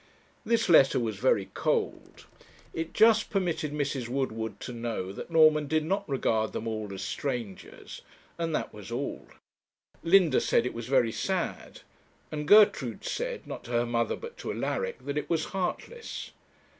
This letter was very cold. It just permitted Mrs. Woodward to know that Norman did not regard them all as strangers; and that was all. Linda said it was very sad; and Gertrude said, not to her mother but to Alaric, that it was heartless.